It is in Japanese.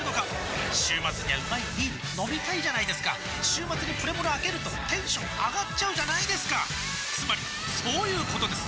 週末にはうまいビール飲みたいじゃないですか週末にプレモルあけるとテンション上がっちゃうじゃないですかつまりそういうことです！